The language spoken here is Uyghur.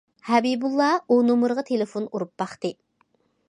ھەبىبۇللا ئۇ نومۇرغا تېلېفون ئۇرۇپ باقتى.